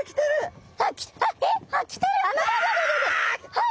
はい！